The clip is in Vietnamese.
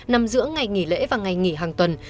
nằm giữa ngày nghỉ lễ và ngày nghỉ hàng tuần